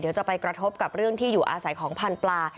เดี๋ยวจะไปกระทบกับเรื่องที่อยู่อาศัยของพันธุ์ปลา